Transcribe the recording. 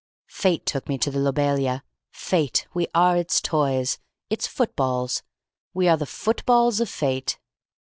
"Fate took me to the Lobelia. Fate! We are its toys. Its footballs. We are the footballs of Fate.